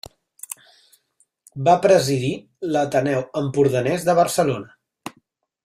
Va presidir l’Ateneu Empordanès de Barcelona.